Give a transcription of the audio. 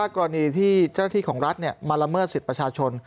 กรณีที่เจ้าหน้าที่ของรัฐมาละเมิดสิทธิ์ประชาชน